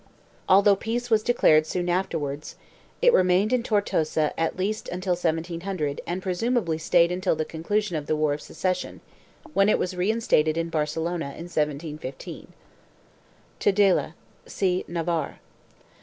Although peace was declared soon afterwards it remained in Tortosa at least until 1700 and pre sumably stayed until the conclusion of the War of Succession, when it was reinstated in Barcelona in 1715.2 TUDELA. See NAVARRE.